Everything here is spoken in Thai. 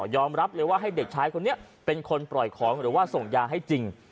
อมรับเลยว่าให้เด็กชายคนนี้เป็นคนปล่อยของหรือว่าส่งยาให้จริง